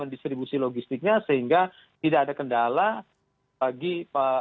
ini itu mungkin kandungan pemilih perom stained